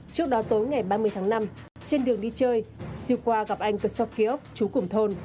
trước đó tối ngày ba mươi tháng năm trên đường đi chơi siêu qua gặp anh cực sốc ký ốc chú củng thôn